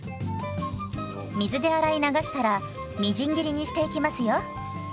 水で洗い流したらみじん切りにしていきますよ。